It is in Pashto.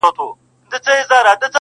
خوار مړ سو، له خوارۍ، ده لا غوښتې زېرنۍ.